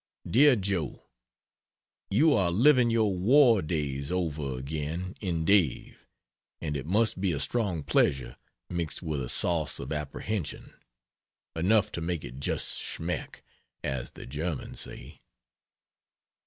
DEAR JOE, You are living your war days over again in Dave, and it must be a strong pleasure, mixed with a sauce of apprehension enough to make it just schmeck, as the Germans say.